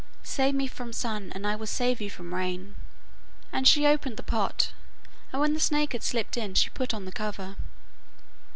Save me from sun, and I will save you from rain,' and she opened the pot, and when the snake had slipped in, she put on the cover.